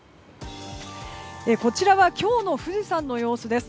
こちらは今日の富士山の様子です。